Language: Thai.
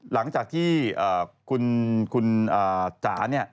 หลังจากที่คุณจ๋าเนี่ย